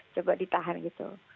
coba ditahan gitu